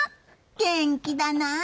元気だな。